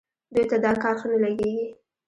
دوی ته دا کار ښه نه لګېږي.